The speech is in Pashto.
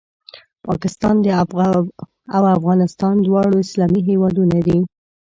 پاکستان او افغانستان دواړه اسلامي هېوادونه دي